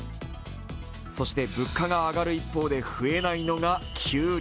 そして物価が上がる一方で増えないのが給料。